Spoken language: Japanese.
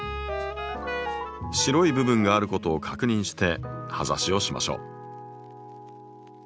白い部分があることを確認して葉ざしをしましょう。